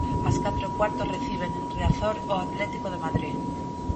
Ás catro e cuarto reciben en Riazor o Atlético de Madrid.